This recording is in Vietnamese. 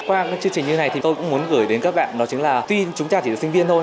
qua chương trình như này thì tôi cũng muốn gửi đến các bạn đó chính là tuy chúng ta chỉ là sinh viên thôi